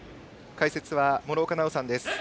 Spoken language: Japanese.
解説は諸岡奈央さんです。